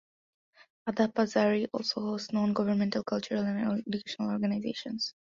Adapazari also hosts non-governmental cultural and educational organizations.